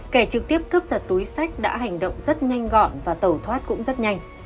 kẻ trực tiếp cướp giật túi sách đã hành động rất nhanh gọn và tẩu thoát cũng rất nhanh